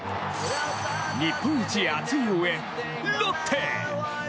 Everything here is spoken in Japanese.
日本一熱い応援、ロッテ。